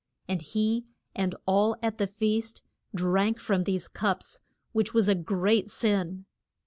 And he and all at the feast drank from these cups, which was a great sin.